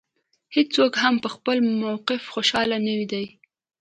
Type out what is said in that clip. هېڅوک هم په خپل موقف خوشاله نه دی.